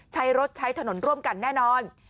ใช้รถใช้ถนนร่วมกันแน่นอน